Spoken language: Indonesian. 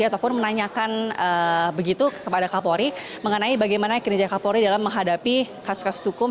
ataupun menanyakan begitu kepada kak polri mengenai bagaimana kinerja kak polri dalam menghadapi kasus kasus hukum